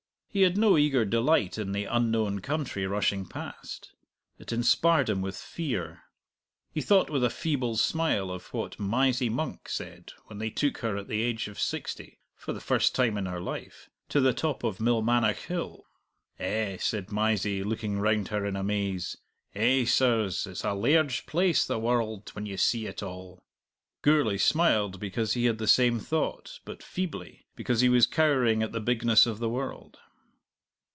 He had no eager delight in the unknown country rushing past; it inspired him with fear. He thought with a feeble smile of what Mysie Monk said when they took her at the age of sixty (for the first time in her life) to the top of Milmannoch Hill. "Eh," said Mysie, looking round her in amaze "eh, sirs, it's a lairge place the world when you see it all!" Gourlay smiled because he had the same thought, but feebly, because he was cowering at the bigness of the world.